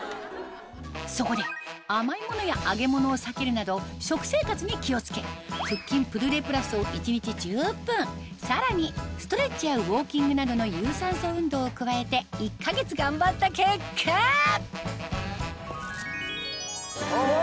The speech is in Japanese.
そこで甘いものや揚げ物を避けるなど食生活に気を付けさらにストレッチやウオーキングなどの有酸素運動を加えて１か月頑張った結果うわ！